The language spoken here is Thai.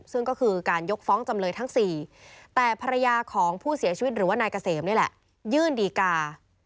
ซึ่งก็คือการยกฟ้องจำเลยทั้ง๔แต่ภรรยาของผู้เสียชีวิตหรือว่านายเกษมนี่แหละยื่นดีกา